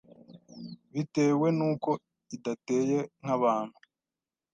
bitewe n’uko idateye nk’abantu